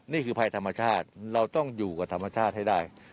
นี่คือภัยธรรมชาติเราต้องอยู่กับธรรมชาติให้ได้